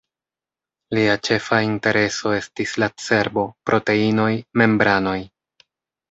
Lia ĉefa intereso estis la cerbo, proteinoj, membranoj.